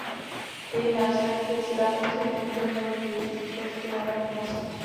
Její název je citátem z hry "Under Milk Wood" od Dylana Thomase.